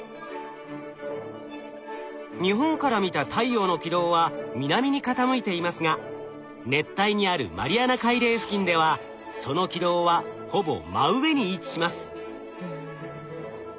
日本から見た太陽の軌道は南に傾いていますが熱帯にあるマリアナ海嶺付近ではその軌道はほぼ真上に位置します。